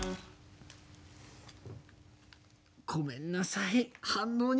ごめんなさい。